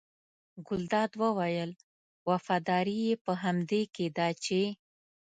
ګلداد وویل وفاداري یې په همدې کې ده چې.